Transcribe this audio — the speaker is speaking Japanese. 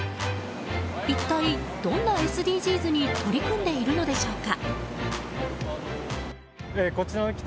一体、どんなＳＤＧｓに取り組んでいるのでしょうか。